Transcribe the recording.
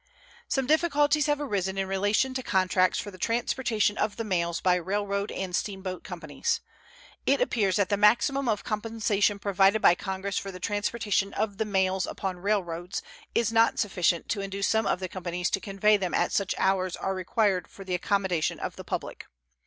Some difficulties have arisen in relation to contracts for the transportation of the mails by railroad and steamboat companies. It appears that the maximum of compensation provided by Congress for the transportation of the mails upon railroads is not sufficient to induce some of the companies to convey them at such hours as are required for the accommodation of the public.